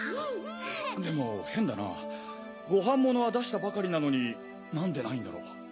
でも変だなご飯ものは出したばかりなのに何でないんだろう。